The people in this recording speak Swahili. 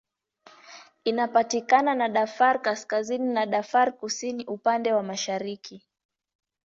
Inapakana na Darfur Kaskazini na Darfur Kusini upande wa mashariki.